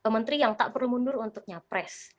menteri yang tak perlu mundur untuk nyapres